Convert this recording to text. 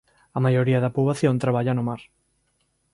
A maioría da poboación traballa no mar.